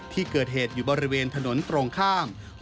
ที่เกิดเหตุอยู่บริเวณถนนตรงข้าม